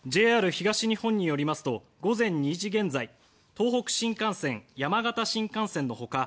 ＪＲ東日本によりますと午前２時現在、東北新幹線山形新幹線の他